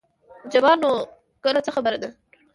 جبار: نورګله څه خبره ده.